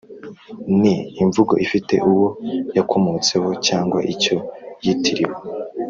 ni imvugo ifite uwo yakomotseho cyangwa icyo yitiriwe.